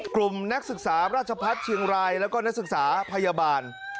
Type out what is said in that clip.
กลุ่มนักศึกษาราชพัฒน์เชียงรายแล้วก็นักศึกษาพยาบาล